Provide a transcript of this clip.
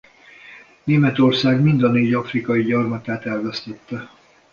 Németország mind a négy afrikai gyarmatát elvesztette.